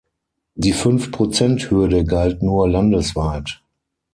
Die Fünf-Prozent-Hürde galt nur landesweit.